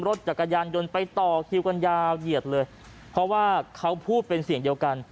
รถจักรยานยนต์ไปต่อคิวกันยาวเหยียดเลยเพราะว่าเขาพูดเป็นเสียงเดียวกัน